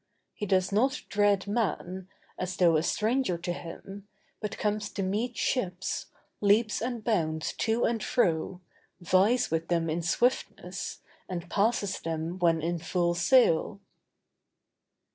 He does not dread man, as though a stranger to him, but comes to meet ships, leaps and bounds to and fro, vies with them in swiftness, and passes them when in full sail.